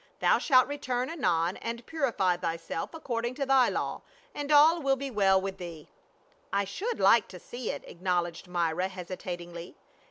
Thou shalt return anon and purify thyself according to thy law, and all will be well with thee." " I should like to see it," acknowledged Myra hesi tatingly.